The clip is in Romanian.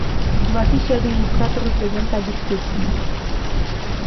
Va fi și administratorul prezent la discuții.